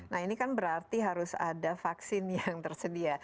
nah ini kan berarti harus ada vaksin yang tersedia